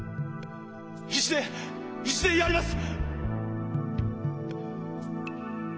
必死で必死でやります！